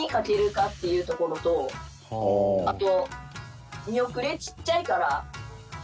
あと。